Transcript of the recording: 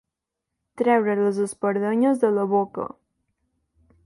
Treure les espardenyes de la boca.